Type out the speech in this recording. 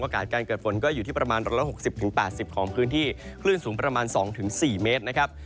การเกิดฝนก็อยู่ที่ประมาณ๑๖๐๘๐ของพื้นที่คลื่นสูงประมาณ๒๔เมตรนะครับ